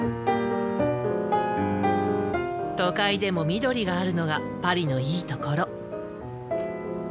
都会でも緑があるのがパリのいいところ。